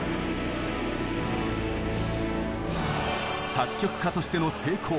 作曲家としての成功。